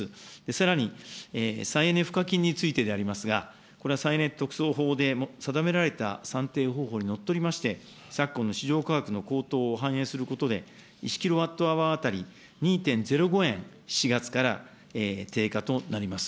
さらに、再エネ賦課金についてでありますが、これは再エネ特措法で定められた算定方法にのっとりまして、昨今の市場価格の高騰を反映することで、１キロワットアワー当たり２．０５円、４月から低下となります。